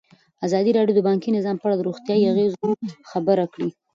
ازادي راډیو د بانکي نظام په اړه د روغتیایي اغېزو خبره کړې.